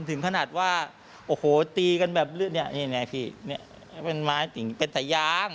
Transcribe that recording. ถึงขนาดว่าโอ้โหตีกันแบบเลือดนี่ไงพี่เป็นไม้เป็นสายยาง